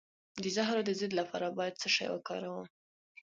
د زهرو د ضد لپاره باید څه شی وکاروم؟